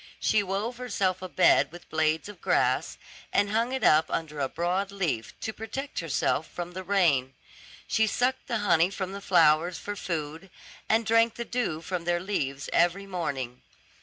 She wove herself a bed with blades of grass, and hung it up under a broad leaf, to protect herself from the rain. She sucked the honey from the flowers for food, and drank the dew from their leaves every morning.